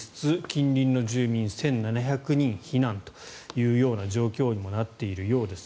近隣の住民１７００人避難というような状況にもなっているようです。